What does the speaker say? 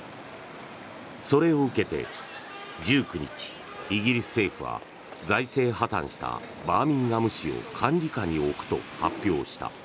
それを受けて１９日、イギリス政府は財政破たんしたバーミンガム市を管理下に置くと発表した。